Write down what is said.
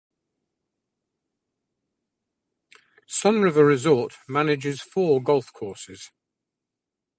Sunriver Resort manages four golf courses.